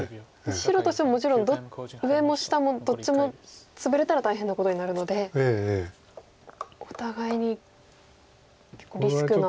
白としてももちろん上も下もどっちもツブれたら大変なことになるのでお互いに結構リスクのある。